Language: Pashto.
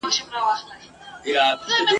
جهاني طبیب مي راکړه د درمل په نامه زهر !.